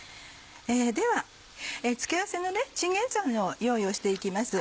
では付け合わせのチンゲンサイの用意をして行きます。